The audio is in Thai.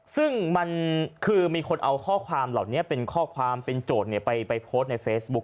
ซึ่งมันคือมีคนเอาข้อความเหล่านี้เป็นข้อความเป็นโจทย์ไปโพสต์ในเฟซบุ๊ค